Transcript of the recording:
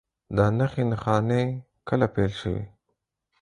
دا نښې نښانې کله پیل شوي؟